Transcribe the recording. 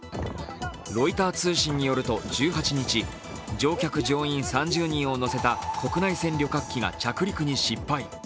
ロイター通信によると１８日、乗客・乗員３０人を乗せた国内線旅客機が着陸に失敗。